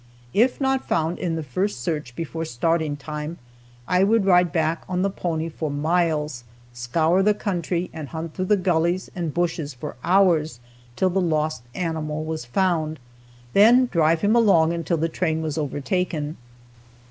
If not found in the first search before starting time, I would ride back on the pony for miles, scour the country and hunt through the gullies and bushes for hours till the lost animal was found; then drive him along until the train was overtaken.